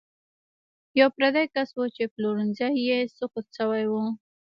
یو پردی کس و چې پلورنځی یې سقوط شوی و.